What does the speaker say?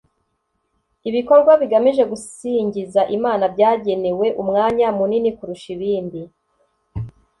Ibikorwa bigamije gusingiza Imana byagenewe umwanya munini kurusha ibindi